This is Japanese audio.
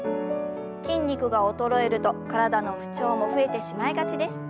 筋肉が衰えると体の不調も増えてしまいがちです。